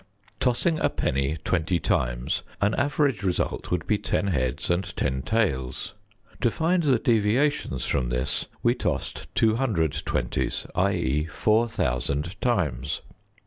Tossing a penny twenty times, an average result would be ten heads and ten tails. To find the deviations from this, we tossed two hundred twenties, i.e., four thousand times.